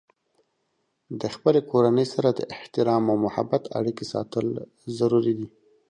د خپلې کورنۍ سره د احترام او محبت اړیکې ساتل ضروري دي.